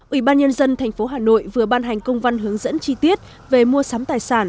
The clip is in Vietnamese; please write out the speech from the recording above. ủy ban nhân dân tp hà nội vừa ban hành công văn hướng dẫn chi tiết về mua sắm tài sản